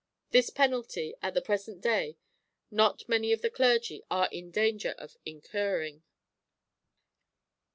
This penalty at the present day not many of the clergy are in danger of incurring.